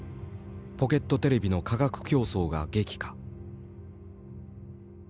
ポケットテレビの価格競争が激化。